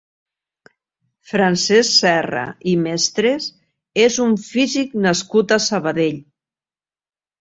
Francesc Serra i Mestres és un físic nascut a Sabadell.